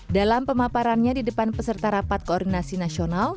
dalam pemaparannya di depan peserta rapat koordinasi nasional